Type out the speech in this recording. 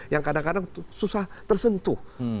yang kadang kadang susah tersentuh